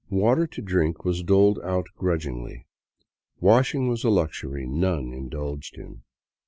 Water to drink was doled out grudgingly; washing was a luxury none indulged in.